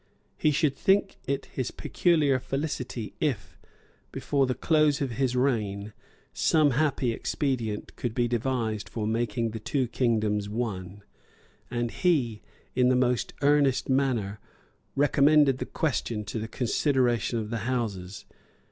He should think it his peculiar felicity if, before the close of his reign, some happy expedient could be devised for making the two kingdoms one; and he, in the most earnest manner, recommended the question to the consideration of the Houses.